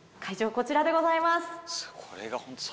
こちらでございます。